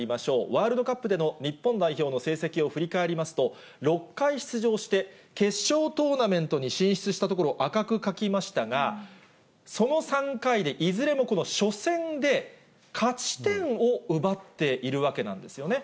ワールドカップでの日本代表の成績を振り返りますと、６回出場して、決勝トーナメントに進出したところを赤く書きましたが、その３回でいずれもこの初戦で勝ち点を奪っているわけなんですよね。